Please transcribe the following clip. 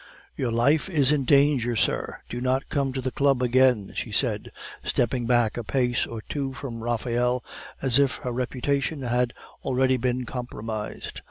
"Your life is in danger, sir; do not come to the Club again!" she said, stepping back a pace or two from Raphael, as if her reputation had already been compromised.